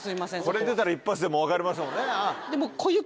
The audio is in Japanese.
これ出たら一発で分かりますもんね。